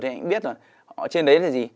thì anh biết rồi trên đấy là gì